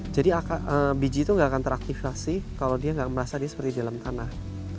jadi biji itu gak akan teraktifasi kalau dia gak merasa dia seperti di dalam tanah